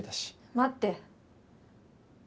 待って。